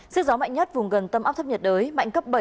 sức gió mạnh nhất vùng gần tâm áp thấp nhiệt đới mạnh cấp bảy